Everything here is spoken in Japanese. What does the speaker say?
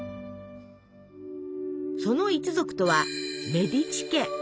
その一族とは「メディチ家」。